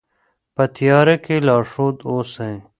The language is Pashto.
په تیاره کې لارښود اوسئ.